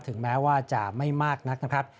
ถึงแม้ว่าจะไม่มากนักนะครับ